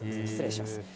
失礼します。